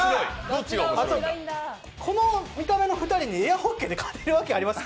この見た目の２人にエアホッケーで勝てます？